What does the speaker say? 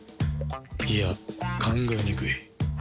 いや考えにくい